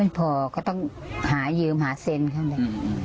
มันพอก็ต้องหายืมหาเซ็นข้างใน